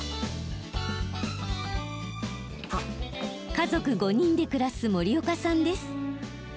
家族５人で暮らす森岡さんです。